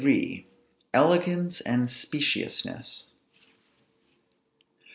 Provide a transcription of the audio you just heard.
ELEGANCE AND SPECIOUSNESS.